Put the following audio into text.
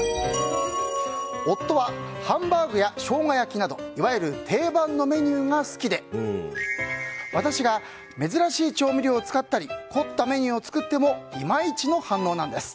夫はハンバーグやショウガ焼きなどいわゆる定番のメニューが好きで私が珍しい調味料を使ったり凝ったメニューを作ってもいまいちの反応なんです。